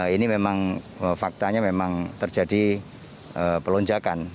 ini memang faktanya memang terjadi pelonjakan